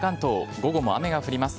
午後も雨が降ります。